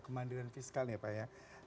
kemandiran fiskal ya pak ya